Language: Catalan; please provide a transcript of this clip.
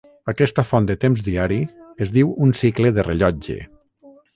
Aquesta font de temps diari es diu un cicle de rellotge.